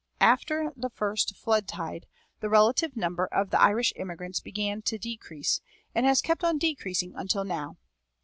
After the first flood tide the relative number of the Irish immigrants began to decrease, and has kept on decreasing until now.